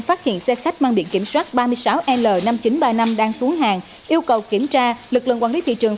phát hiện xe khách mang biển kiểm soát ba mươi sáu l năm nghìn chín trăm ba mươi năm đang xuống hàng yêu cầu kiểm tra lực lượng quản lý thị trường